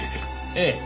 ええ。